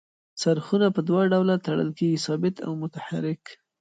څرخونه په دوه ډوله تړل کیږي ثابت او متحرک.